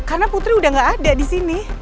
karena putri udah gak ada disini